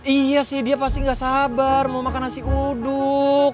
iya sih dia pasti gak sabar mau makan nasi uduk